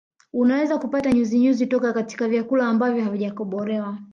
Unaweza kupata nyuzinyuzi toka katika vyakula ambavyo havijakobolewa